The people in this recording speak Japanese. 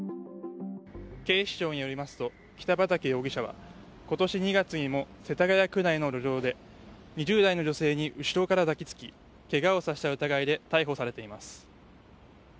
警視庁によりますと北畠容疑者は今年２月にも世田谷区内の路上で２０代の女性に後ろから抱きつきけがをさせた疑いで逮捕されています。